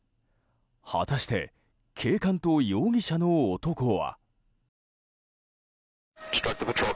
果たして、警官と容疑者の男は？